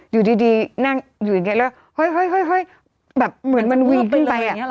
อยู่ดีนั่งอยู่อย่างนี้แล้วค่อยแบบเหมือนมันวิ่งขึ้นไป